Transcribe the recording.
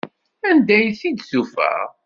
Anda ay t-id-tufa?